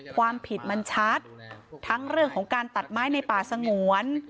ความผิดมันชัดทั้งเรื่องของการตัดไม้ในป่าสงวน